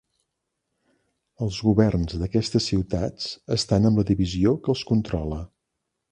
Els governs d'aquestes ciutats estan amb la divisió que els controla.